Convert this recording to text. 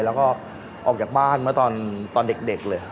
แล้วก็ออกจากบ้านเมื่อตอนเด็กเลย